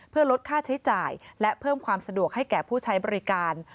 เพื่อลดค่าใช้จ่ายและเพิ่มความสะดวกให้แก่ผู้ใช้บริการ